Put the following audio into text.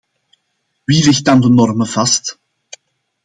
Wie legt dan de normen vast?